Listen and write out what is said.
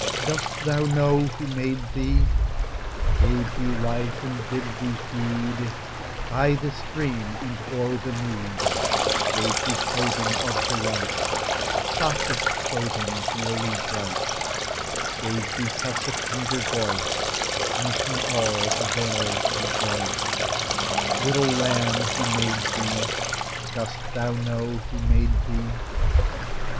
Does thou know who made thee, Gave thee life, and bid thee feed By the stream and o'er the mead; Gave thee clothing of delight, Softest clothing, woolly, bright; Gave thee such a tender voice, Making all the vales rejoice? Little lamb, who made thee? Does thou know who made thee?